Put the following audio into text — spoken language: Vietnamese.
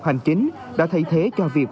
hành chính đã thay thế cho việc